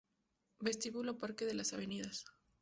Vestíbulo Parque de las Avenidas